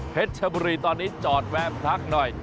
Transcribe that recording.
เพชรชบุรีตอนนี้จอดแวมทักหน่อย